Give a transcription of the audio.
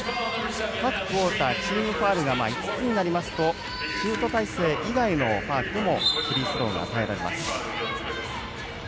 １クオーターチームファウルが５つになるとシュート体勢以外のファウルでもフリースローが与えられます。